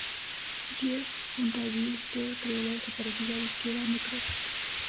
Jeff junta a Bill Steer creó la desaparecida disquera 'Necrosis'.